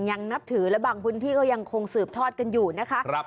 นับถือและบางพื้นที่ก็ยังคงสืบทอดกันอยู่นะคะ